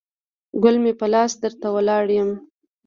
ګل مې په لاس درته ولاړ یم